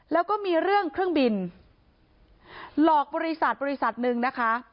แล้วก็มีเรื่องเครื่องบินหลอกบริษัทบริษัทหนึ่งนะคะ